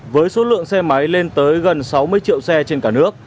với số lượng xe máy lên tới gần sáu mươi triệu xe trên cả nước